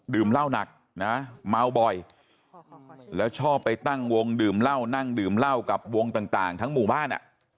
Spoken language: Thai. เหล้าหนักนะเมาบ่อยแล้วชอบไปตั้งวงดื่มเหล้านั่งดื่มเหล้ากับวงต่างทั้งหมู่บ้านอ่ะ